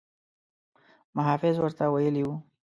محافظ ورته ویلي وو.